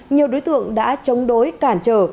nhiều đối tượng đã chống đối cản trở